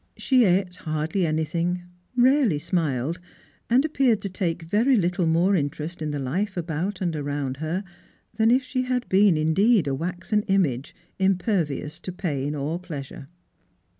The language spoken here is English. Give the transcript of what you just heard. She ate hardly anything, rarely smiled, and appeared to take very little more interest in the life about and around her than if ohe had been, indeen, a waxen image, impervious to pain or pleasure.